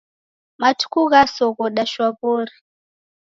Matuku ghasoghoda shwaw'ori.